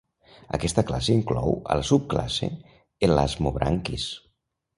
Aquesta classe inclou a la subclasse elasmobranquis.